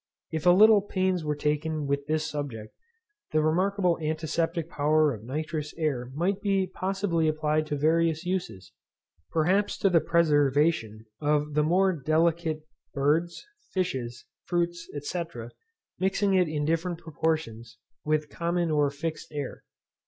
If a little pains were taken with this subject, this remarkable antiseptic power of nitrous air might possibly be applied to various uses, perhaps to the preservation of the more delicate birds, fishes, fruits, &c. mixing it in different proportions with common or fixed air.